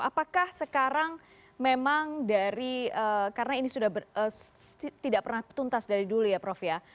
apakah sekarang memang dari karena ini sudah tidak pernah tuntas dari dulu ya prof ya